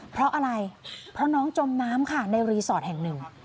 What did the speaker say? เพราะอะไรเพราะน้องจมน้ำค่ะในรีสอร์ทแห่งหนึ่ง